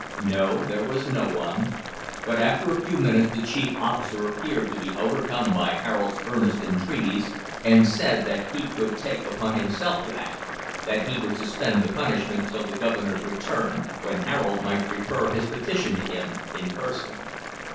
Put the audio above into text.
No, there was no one; but after a few minutes the chief officer appeared to be overcome by Harold's earnest entreaties, and said that he could take upon himself to act, that he would suspend the punishment till the Governor's return, when Harold might prefer his petition to him in person.